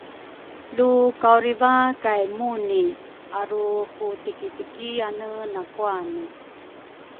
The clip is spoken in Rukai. lu kauriva kay muni arukutitikiane nakuane.